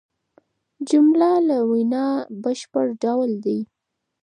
جمله د وینا بشپړ ډول دئ.